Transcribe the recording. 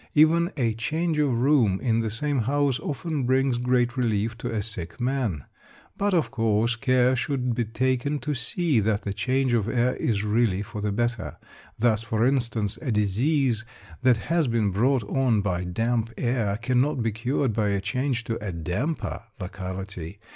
Even a change of room in the same house often brings great relief to a sick man. But, of course, care should be taken to see that the change of air is really for the better. Thus, for instance, a disease that has been brought on by damp air cannot be cured by a change to a damper locality.